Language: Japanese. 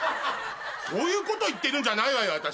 そういうことを言ってるんじゃないわよ